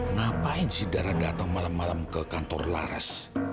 ngapain si dara datang malam malam ke kantor laras